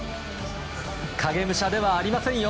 影武者ではありませんよ